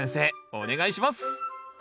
お願いします